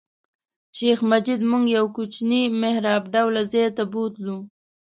شیخ مجید موږ یو کوچني محراب ډوله ځای ته بوتلو.